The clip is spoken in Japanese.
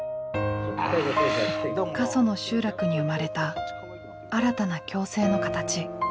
過疎の集落に生まれた新たな共生の形。